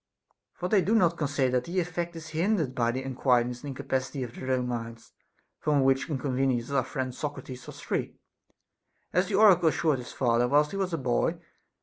For they do not con sider that the effect is hindered by the unquietness and incapacity of their own minds ; from which inconveniences our friend Socrates was free, as the oracle assured his father whilst he was a boy.